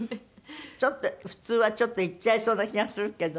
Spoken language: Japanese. ちょっと普通はちょっと言っちゃいそうな気がするけどね。